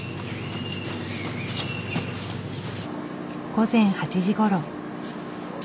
午前８時ごろ。